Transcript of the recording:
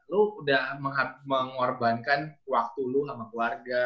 lo udah mengorbankan waktu lo sama keluarga